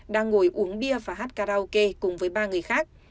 đang ngồi uống bia và hát karaoke cùng với ba người khác